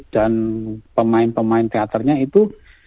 pemain pemain teaternya itu